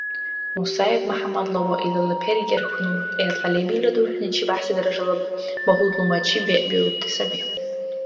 Мусаев МяхӀяммадла ва илала пергер хьунул Рукьиятла лебилра дурхӀни чебяхӀси даражала багьудлумачи бегӀбиубти саби.